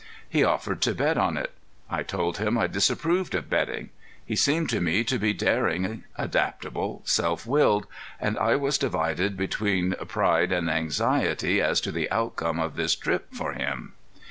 He offered to bet on it. I told him I disapproved of betting. He seemed to me to be daring, adaptable, self willed; and I was divided between pride and anxiety as to the outcome of this trip for him.